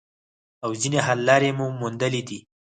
او ځینې حل لارې مو موندلي دي